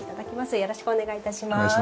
よろしくお願いします。